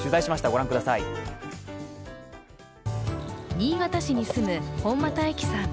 新潟市に住む本間太希さん